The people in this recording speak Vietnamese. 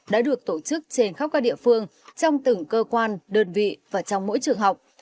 đã được tổ chức trên khắp các địa phương trong từng cơ quan đơn vị và trong mỗi trường học